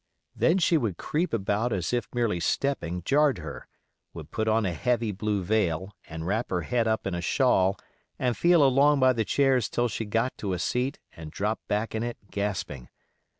Then she would creep about as if merely stepping jarred her; would put on a heavy blue veil, and wrap her head up in a shawl, and feel along by the chairs till she got to a seat, and drop back in it, gasping.